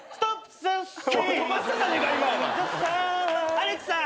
アレクさん